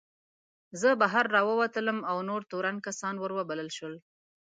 زه بهر راووتلم او نور تورن کسان ور وبلل شول.